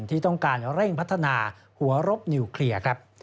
ที่ต้องการเร่งพัฒนาหัวรบนิวเคลียร์ครับ